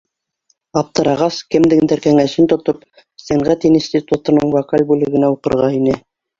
Аптырағас, кемдеңдер кәңәшен тотоп, сәнғәт институтының вокаль бүлегенә уҡырға инә.